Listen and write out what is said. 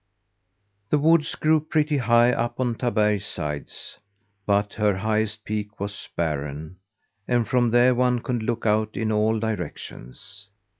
The woods grew pretty high up on Taberg's sides, but her highest peak was barren; and from there one could look out in all directions.